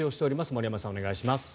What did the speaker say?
森山さん、お願いします。